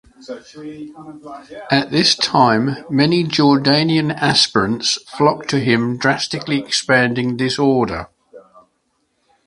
At this time many Jordanian aspirants flocked to him drastically expanding this order.